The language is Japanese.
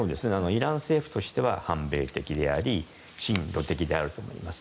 イラン政府としては反米的であり親ロ的であると思います。